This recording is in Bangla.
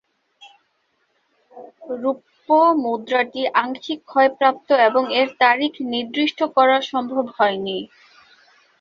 রৌপ্য মুদ্রাটি আংশিক ক্ষয়প্রাপ্ত এবং এর তারিখ নির্দিষ্ট করা সম্ভব হয় নি।